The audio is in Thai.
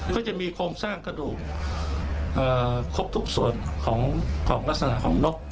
ก็จะมีโครงสร้างกระดูกครบทุกส่วนของลักษณะของนก